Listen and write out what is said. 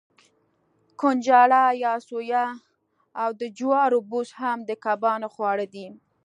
کنجاړه یا سویا او د جوارو بوس هم د کبانو خواړه دي.